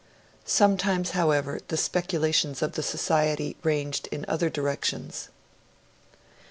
Sometimes, however, the speculations of the Society ranged in other directions.